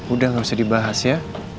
udah gak usah dibahas ya